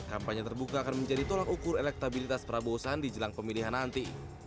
kampanye terbuka akan menjadi tolak ukur elektabilitas prabowo sandi jelang pemilihan nanti